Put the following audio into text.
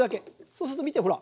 そうすると見てほら。